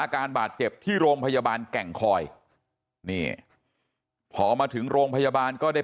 อาการบาดเจ็บที่โรงพยาบาลแก่งคอยนี่พอมาถึงโรงพยาบาลก็ได้